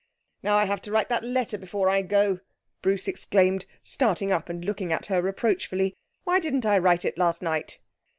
'Now I have to write that letter before I go,' Bruce exclaimed, starting up and looking at her reproachfully. 'Why didn't I write it last night?'